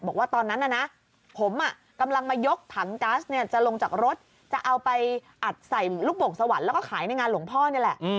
บอกว่าตอนนั้นน่ะนะผมกำลังมายกถังก๊าซเนี่ยจะลงจากรถจะเอาไปอัดใส่ลูกโป่งสวรรค์แล้วก็ขายในงานหลวงพ่อนี่แหละ